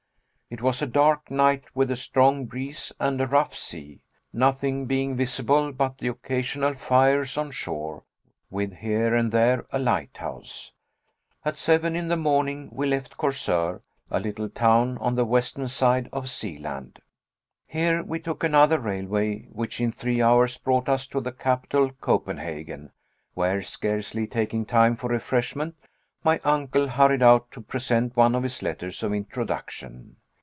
It was a dark night, with a strong breeze and a rough sea, nothing being visible but the occasional fires on shore, with here and there a lighthouse. At seven in the morning we left Korsor, a little town on the western side of Seeland. Here we took another railway, which in three hours brought us to the capital, Copenhagen, where, scarcely taking time for refreshment, my uncle hurried out to present one of his letters of introduction.